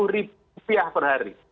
lima puluh rupiah per hari